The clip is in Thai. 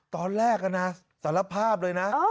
ตอนแรกนะสารภาพเลยนะ